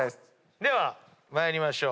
では参りましょう。